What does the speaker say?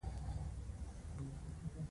ډېره کېناستله اخېر نااوميده لاړه.